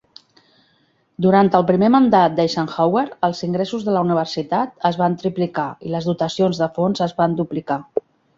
Durant el primer mandat d'Eisenhower, els ingressos de la universitat es van triplicar i les dotacions de fons es van duplicar.